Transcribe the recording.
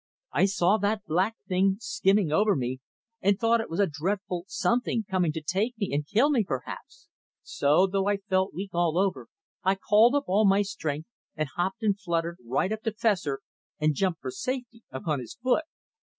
I saw that black thing skimming over me and thought it was a dreadful something coming to take me and kill me, perhaps; so, though I felt weak all over, I called up all my strength and hopped and fluttered right up to Fessor and jumped for safety upon his foot.